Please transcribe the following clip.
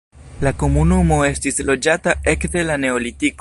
La komunumo estis loĝata ekde la neolitiko.